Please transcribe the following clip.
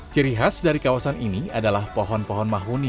ciri khas dari kawasan ini adalah pohon pohon mahuni